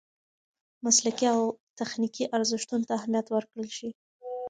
مسلکي او تخنیکي ارزښتونو ته اهمیت ورکړل شي.